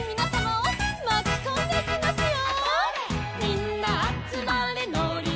「まきこんでいきますよ」